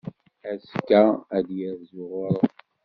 Azekka ad yerzu ɣur-m.